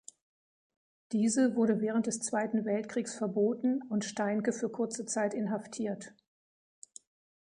Diese wurde während des Zweiten Weltkriegs verboten und Steinke für kurze Zeit inhaftiert.